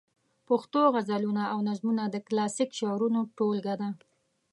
پښتو غزلونه او نظمونه د کلاسیک شعرونو ټولګه ده.